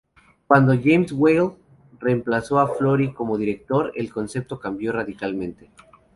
Cuando James Whale reemplazó a Florey como director, el concepto cambió radicalmente.